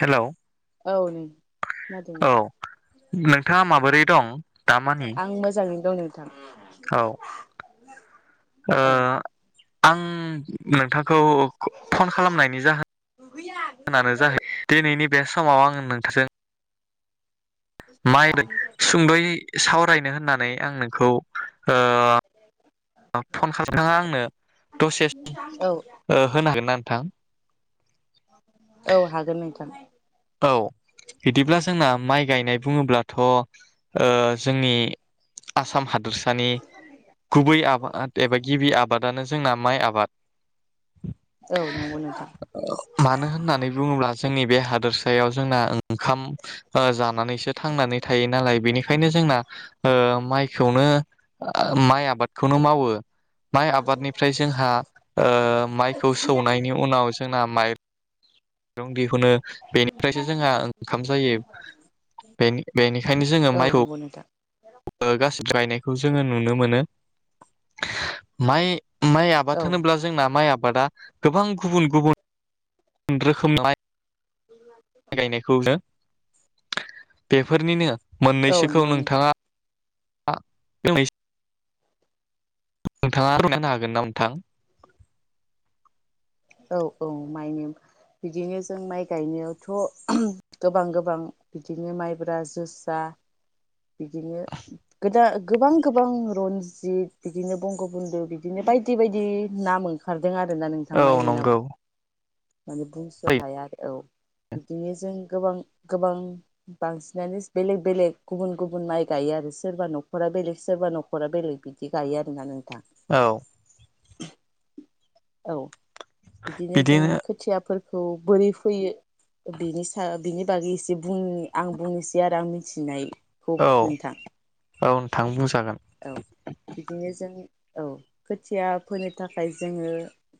Hello औ नै खोनादों औ नोंथां नोंथाङा माबोरै दं दामानि आं मोजाङै दं नों थां औ [inaudible] ओ आं नोंथांखौ [unintelligible] फन खालामनायनि जाह [inaudible] जाहै दिनैनि बे समाव आंङो नोंथाजों [inaudible] सुंद'यै सावरायनो होननानै आं नोंखौ ओ फन [inaudible] आंनो दसे औ [inaudible] ओ होनो हागोन ना नोंथां [inaudible] औ हागोन नोंथां [inaudible] औ बिदिब्ला जोंना माइ गायनाय बुङोब्लाथ' ओ जोंनि आसाम हादोरसानि गुबै आबाद एबा गिबि आबादानो जोंना माइ आ बाद औ नंगौ नोंथां [unintelligible] मानो होननानै बुङोब्ला जोंनि बे हा बेयाव जोंना ओंखाम ओ जानानै सो थांनानै थायो नालाय बेनिखायनो जोंना ओ माइखौनो [inaudible] ओ माइ आबादखौनो मावो माइ आबादनिफ्राय जोंहा ओ माइखौ सौनायनि उनाव जोंना माइ रं दिहुनो बेनिफ्रायसो जोंहा ओंखाम जायो बेनि बेनिखायनो जोङो औ माइखौ नंगौ नोंथां ओ गासिबो गायनायखौ जोङो नुनो मोनो [unintelligible] माइ माइ औ आबाद होनोब्ला जोंना माइ आबादा गोबां गुबुन गुबुन रोखोमलाय गायनायखौनो बेफोरनिनो औ मोननैसोखौ नंगौ नोंथां नोंथाङा आ [unintelligible] नोंथाङा [inaudible] हागोन ना नोंथां? औ औ माइनिम बिदिनो जों माइ गायनायावथ' गोबां गोबां बिदिनो माइब्रा जोसा बिदिनो गोदा गोबां गोबां रनजित बिदिनो बंग' बुन्द' बिदिनो बायदि बायदि नाम ओंखार दों आरोना नोंथां औ माइनि नंगौ नामा। माने बुंस' हाया आरो औ बिदिनो जों गोबां गोबां बांसिनानो बेलेग बेलेग गुबुन गुबुन माइ गायो आरो सोरबा न'खरा बेलेग सोरबा न'खरा बेलेग बिदि गायो आरोना नोंथां। औ। औ बिदिनो जों खोथियाफोर खौ बोरै फोयो बिनि सा बिनि बागै इसे बुं आं बुंनोसै आरो आं मि थिनाय औ औ नोंथां बुंजागोन। औ बिदिनो जों औ खोथिया फोनो थाखाय जोङो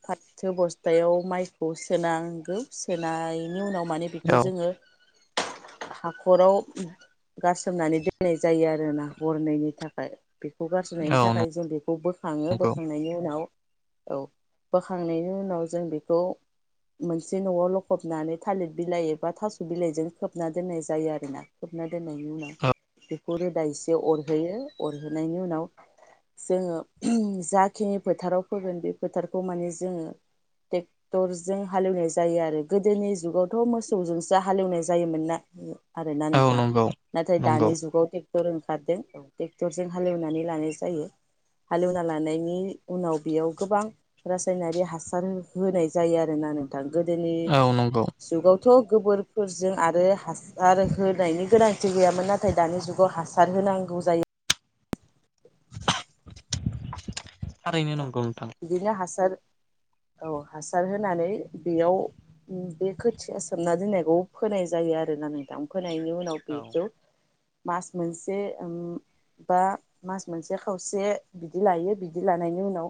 फाथो बस्थायाव माइखौ सोनांगौ। सोनायनि उनाव माने बेखौ औ जोङो हाखराव गारासोमनानै दोननाय जायो आरोना हरनैनि थाखाय। बेखौ गारसननायनि औ थाखाय जों बेखौ बोखाङो नंगौ बोखांनायनि उनाव औ बोखांनायनि उनाव जों बेखौ मोनसे न'आव लखबनानै थालिर बिलाइ एबा थास' बिलाइजों खोबना दोननाय जायो आरोना खोबना दोननायनि उनाव औ बेखौ रोदा एसे अरहोयो अरहोनायनि उनाव जोङो जाखिनि फोथाराव फोगोन बे फोथार खौ माने जोङो ट्रेक्टरजों हालेवनाय जायो आरो गोदोनि जुगावथ मोसौजोंसो हालेवनाय जायोमोनना, आरोना औ नोंथां नंगौ नाथाय नंगौ दानि जुगाव टे टर ओंखारदों ट्रेक्टरजों हालेवनानै लानाय जायो। हालेवना लानायनि उनाव बेयाव गोबां रासायनारि हासार होनाय जायो आरोना नोंथां। गोदोनि औ नंगौ जुगाव थ गोबोरफोरजों आरो हासार होनायनि गोनांथि गैयामोन नाथाय दानि जुगाव हासार होनांगौ जायो। थारैनो औ नंगौ नोंथां बिदिनो हासार औ हासार होनानै बेयाव बे खोथिया सोमना दोननायखौ फोनाय जायो आरो ना नोंथां फो नायनि उनाव औ बेखौ मास मोनसे बा मास मोनसे खावसे बिदि लायो बिदि ला नायनि उनाव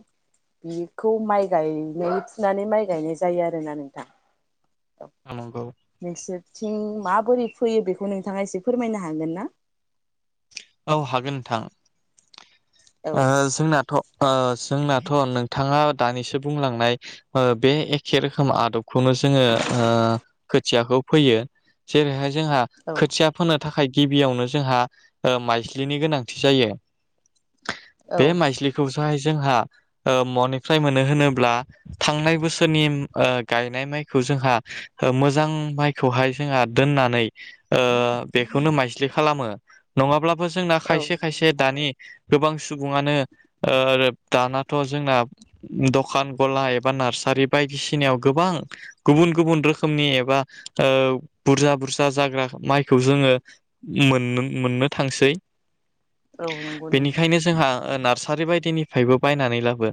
बेखौ माइ गायनाय फुनानै माइ गायनाय जायो आरोना नोंथां। औ नंगौ नोंसोर थिं माबोरै फैयो बेखौ नोंथाङा एसे फोरमायनो हागोन ना? औ हागोन नोंथां। ओ औ जोंनाथ ओ- जोंनाथ नोंथाङा दानिसो बुंलांनाय ओ- बे एखे रोखोम आदबखौनो जोङो ओ- फो खुथियाखौ फैयो जेरैहाय। जोंहा औ खोथिया फोनो थाखाय। गिबियावनो जोंहा ओ- माइज्लिनि गोनांथि जायो। औ बे माइस्लिखौसाय जोंहा ओ- मनिफ्राय मोनो होनोब्ला थांनाय बोसोरनि ओ- गायनाय माइखौ जोंहा ओ- मोजां माइखौहाय जोंहा दोननानै ओ- बेखौनो माइस्लि खालामो। नङाब्ला बो जोंना औ खायसे खायसे दानि गोबां सुबुङानो ओ-दानाथजोंना दखान गला एबा नार्सारि बायदिसिनायाव गोबां गुबुन गुबुन रोखोमनि एबा ओ-बुरजा बुरजा जाग्रा माइखौ जोङो मोन मोननो। थांसै औ नंगौ नोंथां ओ-नार्सारि बायदिनिफ्रायबो बायनानै लाबो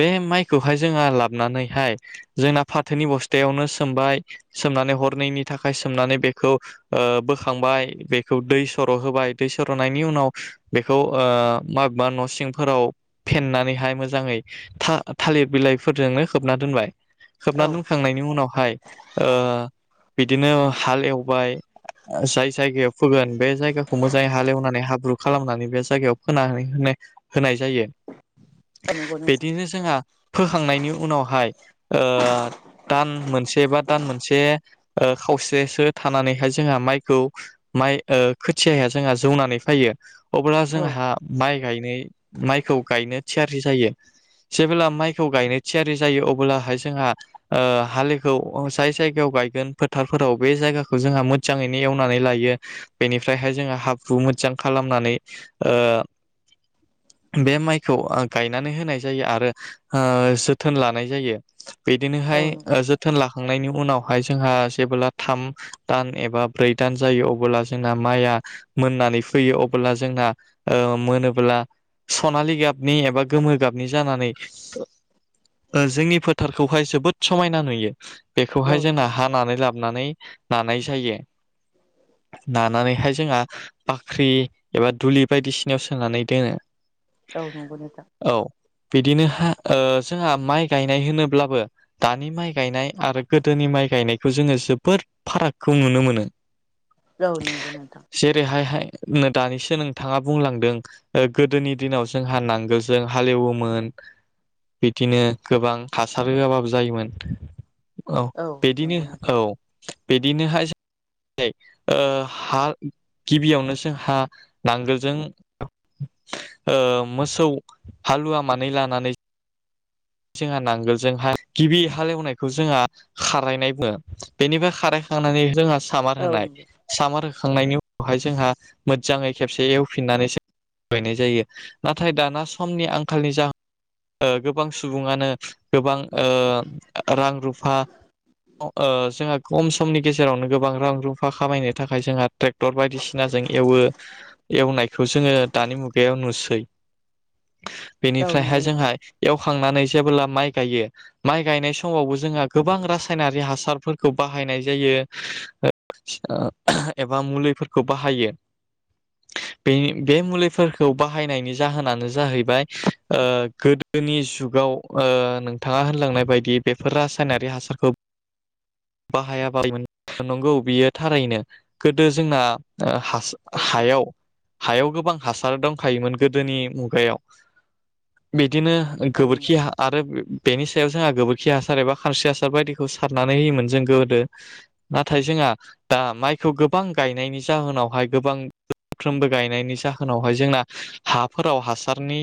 बे माइखौहाय जोंहा लाबोनानैहाय जोंना फाथोनि बस्थायावनो सोमबाय सोमनानै हरनैनि थाखाय सोमनानै बेखौ ओ- बोखांबाय बेखौ दै सर' होबाय। दै सर'नायनि उनाव बेखौ ओ-माबेबा न' सिंफोराव फेेननानैहाय मोजाङै था-थालिर बिलाइफोरजोंनो खोबना दोनबाय। खोबना औ दोनखांनायनि उनावहाय ओ- बिदिनो हाल एवबाय जाय जायगायाव फोगोन बे जायगाखौ मोज जाय हालेवनानै हाब्रु खालामनानै बे जायगायाव फोनानै होनाय होनाय जायो। औ नंगौ नोंथां बिदिनो जोंहा फोखांनायनि उनावहाय ओ-दान मोनसे बा दान मोनसे। ओ- खावसेसो थानानैहाय जोंहा माइखौ माइ ओ- खोथियाया जोंहा जौनानै फैयो अब्ला औ जोंहा माइक गायनाय माइखौ गायनो थियारि जायो। जेब्ला माइखौ गायनो थियारि जायो अब्लाहाय जोंहा ओ- हाललिग जाय जायगायाव गायगोन फोथारफोराव बे जायगाखौ जोंहा मोजाङैनो एवनानै लायो बेनिफ्रायहाय जोंहा। हाब्रु मोजां खालामनानै ओ- बे माइखौ गायनानै होनाय जायो आरो ओ-जोथोन लानाय जायो। औ बिदिनोहाय नंगौ ओ- जोथोन लाखांनायनि उनाव। हाय जोंहा जेबोब्ला थाम दान एबा ब्रै दान जायो अबोब्ला जोंना माइया। मोननानै फैयो अब्ला जोंना ओ-मोनोब्ला सनालि गाबनि एबा गोमो गाबनि जानानै ओ- जोंनि फोथारखौहाय जोबोद समायना नुयो। नोंथां औ बेखौहाय जोंना नंगौ नोंथां हानानै लाबोनानै नानाय जायो नानानैहाय जोंहा बाख्रि एबा दुलि बायदिसिनायाव सोनानै दोनो। औ नंगौ नोंथां औ बिदिनो हा ओ जोंहा माइ गायनाय होनोब्लाबो दानि माइ गायनाय आरो गोदोनि माइ गायनायखौ जोङो जोबोद फारागखौ नुनो मोनो। औ नंगौ नोंथां। जेरैहाय हाय नो दानिसो नोंथाङा बुंलांदों गोदोनि दिनाव जोंहा नांगोलजों हालेवोमोन बिदिनो गोबां हासार होआबाबो जायोमोन। औ बिदिनो नंगौ नोंथां औ। बिदिनोहाय ओ हा गिबियावनो जोंहा नांगोलजों ओ मोसौ हालुवा मानै लानानै जोंहा नांगोलजोंहा गिबि हालेवनायखौ जोंहा खारायनाय बुङो बेनिफ्राय खारायखांनानै जोंहा सामार औ होनाय नंगौ सामार। खांनायनि उनावहाय जोंहा मोजाङै खेबसे एवफिननानैसो गायनाय जायो नाथाय दाना समनि आंखालनि जाहोन। ओ गोबां सुबुङानो गोबां ओ रां रुफा ओ जोंहा खम समनि गेजेरावनो गोबां रां रुफा खामायनो थाखाय जोंहा ट्रेक्टर बायदिसिनाजों एवो एवनायखौ जोङो दानि मुगायाव नुसै। औ बेनिफ्रायहाय नंगौ नोंथां जोंहा एव खांनानै जेबोला माइ गायो माइ गायनाय समावबो जोंहा गोबां रासायनारि हासारफोरखौ बाहायनाय जायो ओ एबा मुलिफोरखौ बाहायो बेनि बे मुलिफोरखौ बाहायनायनि जाहोनानो जाहैबाय ओ गोदोनि जुगाव ओ नोंथाङा होनलांनाय बायदि बेफोर रासायनारि हासारखौ बाहायाबामोन नंगौ बियो थारैनो गोदो जोंना ओ हासो औ नंगौ हायाव हायाव गोबां हासार दं। खायोमोन गोदोनि मुगायाव बि बिदिनो औ गोबोरखि नंगौ आरो बेनि सायाव जोंहा गोबोरखि हासार एबा खानस्रि हासार बायदिखौ सारनानै होयोमोन। जों गोदो नाथाय जोंहा दा माइखौ गोबां गायनायनि जाहोनावहाय गोबांफ्रोमबो गायनायनि जाहोनावहाय जोंना हाफोराव हासारनि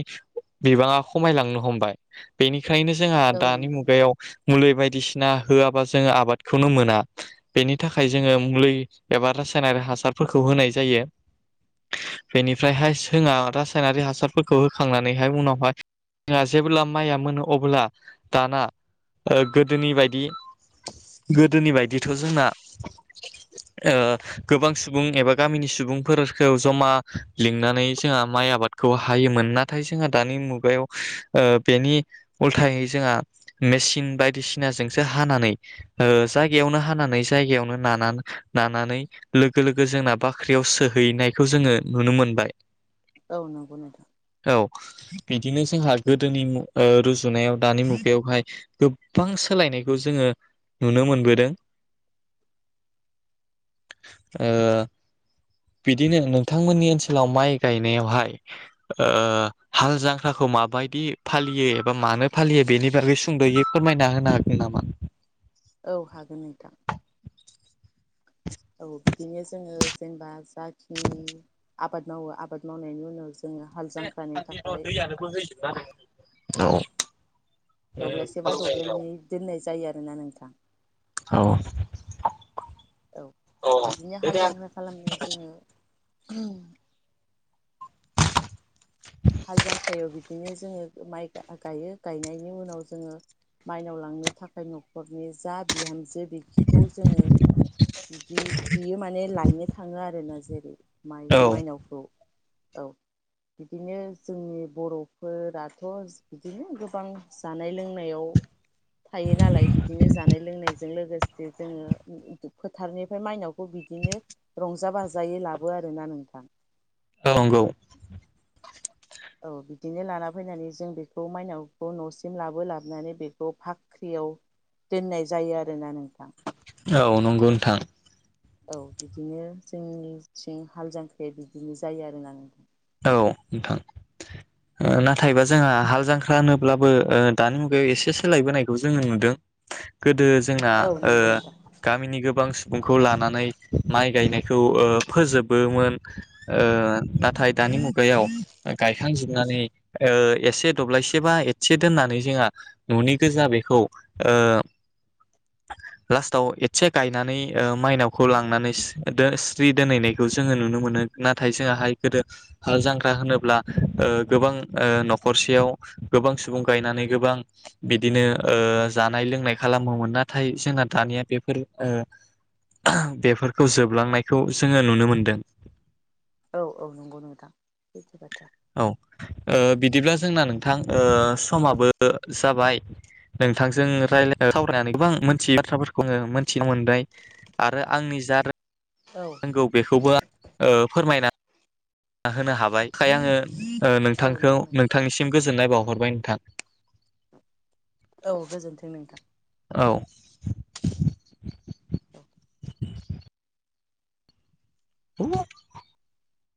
बिबाङा खमायलांनो हमबाय बेनि बेखायनो जोंहा औ दानि नंगौ नोंथां मुगायाव मुलि बायदिसिना होआबा जोङो आबाद खौनो मोना बेनि थाखाय जोङो मुलि एबा रासायनारि हासारफोरखौ होनाय जायो बेनिफ्रायहाय जोंहा रासायनारि हासारफोरखौ होखांनानैहाय उनावहाय जोंहा जेब्ला माइया मोनो अब्ला दाना गोदोनि बायदि गोदोनि बायदिथ' जोंना ओ गोबां सुबुं एबा गामिनि सुबुंफोरखौ जमा लिंनानै जोंहा माइ आबादखौ हायोमोन नाथाय जोंहा दानि मुगायाव बेनि उलथायै जोंहा मेसिन बायदिसिनाजोंसो हानानै ओ जायगायावनो हानानै जायगायावनो ना नानानै लोगो -लोगो जोंना बाख्रियाव सोहैनायखौ जोङो नुनो मोनबाय औ नंगौ नोंथां। बिदिनो जोंहा गोदोनि ओ रुजुनायाव दानि मुगायावहाय गोबां सोलायनायखौ जोङो नुनो मोनबोदों ओ बिदिनो नोंथांमोननि ओनसोलाव माइ गायनायावहाय हाल जांख्राखौ माबायदि फालियो एबा मानो फालियो बेनि बागै सुंद'यै फोरमायना होनो हागोन नामा? औ हागोन नोंथां। औ बिदिनो जोङो जेनेबा जा उम। आबाद मावो आबाद मावनायनि उनाव जोङो हाल से जांख्रानि र थाखाय दैयानो बोहैथथ जोबना दोङो। औ। दब्लायसे बा दब्लायनै दोननाय जायो आरो ना नोंथां। औ। औ बिदिनो हाल जांख्रा खालामनायाव जोङो उम। हाल जांख्रायाव बिदिनो जोङो माइ गायो गायनायनि उनाव जोङो माइनाव लांनो थाखाय न'खरनि जा बिहामज जो बिखौ जोङो बिदि बियो माने लायनो थाङो आरोना जों जेरै माइ औ माइनावखौ औ बिदिनो जोंनि बर'फोराथ' बिदिनो गोबां जानाय लोंनायाव थायो नालाय बिदिनो जानाय लोंनायजों लोगोसे जोङो फोथारनिफ्राय माइनावखौ बिदिनो रंजा बाजायै लाबो आरोना नोंथां औ नंगौ औ बिदिनो लाना फैनानै जों बेखौ मायनावखौ न'सिम लाबो लाबोनानै बेखौ बाख्रियाव दोननाय जायो आरोना नोंथां औ नंगौ नोंथां औ बिदिनो जोंनिथिं हाल जांख्राया बिदिनो जायो आरो ना औ नोंथां नाथायबा जोंहा हाल जांख्रा ख्रा होनोब्लाबो दानि मुगायाव एसे सोलायबोनायखौ जोङो नुदों गोदो जोंना औ ओ नंगौ नोंथां गामिनि गोबां बिखौ लानानै माइ गायनायखौ ओ फोजोबोमोन नाथाय दानि मुगायाव गायखांजोबनानै ओ एसे दब्लायसेबा एसे दोननानै जोंहा न'नि गोजा बेखौ लास्टाव एसे गायनानै मायनावखौ लांनानै स्रि दोनहैनायखौ जोङो नुनो मोनो नाथाय जोंहाय गोदो हाल जांख्रा होनोब्ला ओ गोबां ओ न'खरसेयाव गोबां सुबुं गायनानै गोबां बिदिनो जानाय लोंनाय खालामोमोन नाथाय जोंना दानिया बेफोर बेफोरखौ जोबलांनायखौ जोङो नुनो मोनदों औ औ नंगौ औ बिदिब्ला जोंना नोंथां औ समाबो जाबाय नोंथांजों रायाय सावरायनानै गोबां मोनथियै बाथ्राफोरखौ आङो मोनथिनो मोनबाय आरो आंनि जा औ नंगौ बेखौबो फोरमायना होनो हाबाय खाय आङो औ नोंथांखौ नंगौ नोंथां नोंथांनिसिम गोजोननाय बाव हरबाय नोंथां औ गोजोनथों नोंथां औ [unintelligible] बिनो